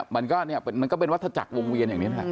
มันก็เป็นวัฒนาจักรวงเวียนอย่างนี้นะครับ